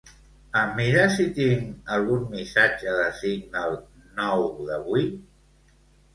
Em mires si tinc algun missatge de Signal nou d'avui?